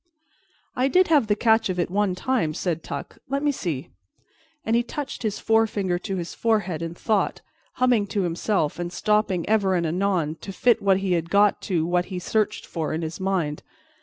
"I did have the catch of it one time," said Tuck. "Let me see," and he touched his forefinger to his forehead in thought, humming to himself, and stopping ever and anon to fit what he had got to what he searched for in his mind.